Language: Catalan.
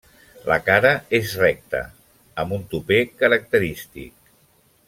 La cara és recta, amb un tupè característic.